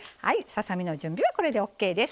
ささ身の準備はこれでＯＫです。